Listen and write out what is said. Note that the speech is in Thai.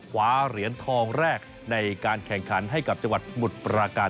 คว้าเหรียญทองแรกในการแข่งขันให้กับจังหวัดสมุทรปราการ